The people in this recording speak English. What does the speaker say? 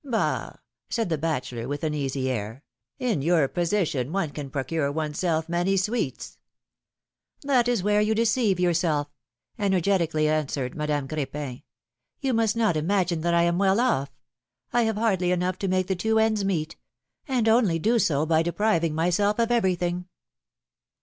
Bah ! said the bachelor, with an easy air ; in your position one can procure one's self many sweets !" That is where you deceive yourself," energetically an swered Madame Cr^pin. You must not imagine that I am well off ; I have hardly enough to make the two ends meet, and only do so by depriving myself of every thing!"